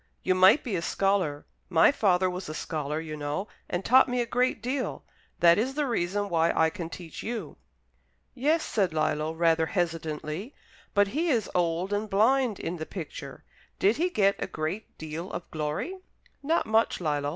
You might be a scholar. My father was a scholar, you know, and taught me a great deal. That is the reason why I can teach you." "Yes," said Lillo, rather hesitatingly. "But he is old and blind in the picture. Did he get a great deal of glory?" "Not much, Lillo.